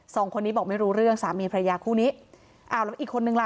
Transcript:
สองคนนี้บอกไม่รู้เรื่องสามีพระยาคู่นี้อ้าวแล้วอีกคนนึงล่ะ